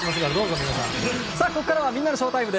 ここからはみんなのＳＨＯＷＴＩＭＥ！